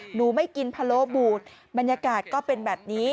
หนูไม่กินพะโลบูดบรรยากาศก็เป็นแบบนี้